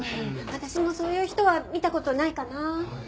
私もそういう人は見た事ないかな。